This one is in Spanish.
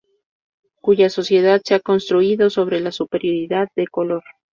cuya sociedad se ha construido sobre la superioridad del color